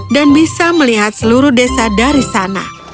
dan bisa melihat seluruh desa dari sana